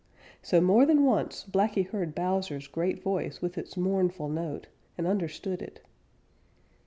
So more than once Blacky heard Bowser's great voice with its mournful note, and understood it.